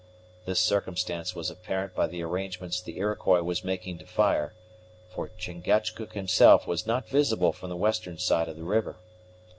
This circumstance was apparent by the arrangements the Iroquois was making to fire, for Chingachgook himself was not visible from the western side of the river.